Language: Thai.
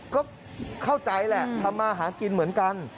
ก็เข้าใจแหละทำมาหากินเหมือนกัน